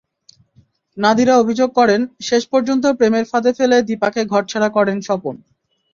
নাদিরা অভিযোগ করেন, শেষ পর্যন্ত প্রেমের ফাঁদে ফেলে দীপাকে ঘরছাড়া করেন স্বপন।